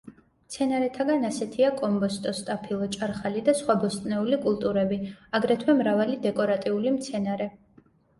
მცენარეთაგან ასეთია კომბოსტო, სტაფილო, ჭარხალი და სხვა ბოსტნეული კულტურები, აგრეთვე მრავალი დეკორატიული მცენარე.